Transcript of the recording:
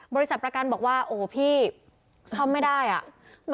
บริษัทประกันบอกว่าโอ้โหพี่ซ่อมไม่ได้อ่ะ